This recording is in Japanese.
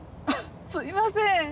あっすいません。